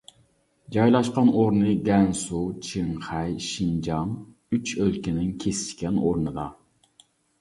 جايلاشقان ئورنى گەنسۇ، چىڭخەي، شىنجاڭ ئۈچ ئۆلكىنىڭ كېسىشكەن ئورنىدا.